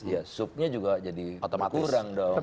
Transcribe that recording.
ngesupnya juga jadi kurang dong